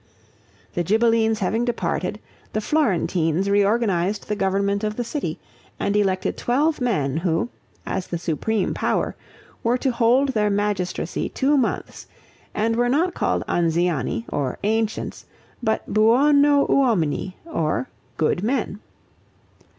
The Ghibellines having departed, the Florentines reorganized the government of the city, and elected twelve men who, as the supreme power, were to hold their magistracy two months, and were not called Anziani or "ancients," but Buono Uomini or "good men."